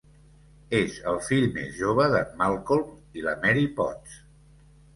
És el fill més jove d'en Malcolm i la Mary Potts.